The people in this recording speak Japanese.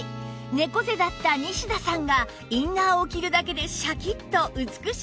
猫背だった西田さんがインナーを着るだけでシャキッと美しい姿勢に